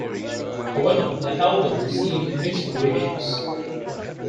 However, the album received mixed reviews.